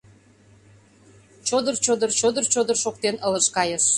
Чодыр-чодыр, чодыр-чодыр шоктен ылыж кайыш.